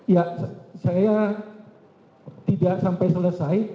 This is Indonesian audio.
ya saya tidak sampai selesai